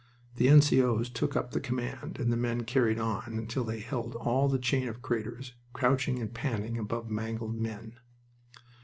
The N.C.O.'s took up the command and the men "carried on" until they held all the chain of craters, crouching and panting above mangled men.